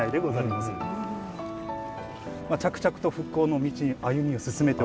まあ着々と復興の道に歩みを進めておりまする。